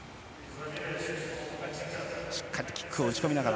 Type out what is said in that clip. しっかりキックを打ち込みながら。